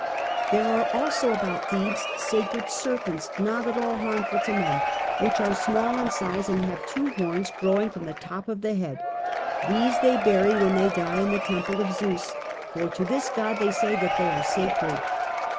There are also about Thebes sacred serpents, not at all harmful to men, which are small in size and have two horns growing from the top of the head: these they bury when they die in the temple of Zeus, for to this god they say that they are sacred.